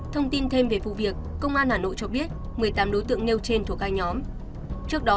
thông tin thêm về vụ việc công an hà nội cho biết một mươi tám đối tượng nêu trên thuộc các nhóm trước đó